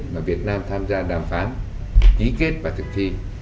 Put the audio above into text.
mà việt nam tham gia đàm phán ký kết và thực thi